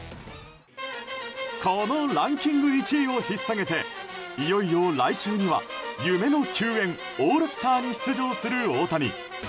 このランキング１位を引っ提げていよいよ来週には夢の球宴オールスターに出場する大谷。